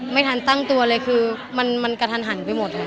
ไม่ทันตั้งตัวเลยคือมันกระทันหันไปหมดเลย